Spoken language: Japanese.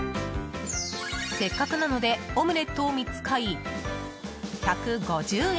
せっかくなのでオムレットを３つ買い、１５０円。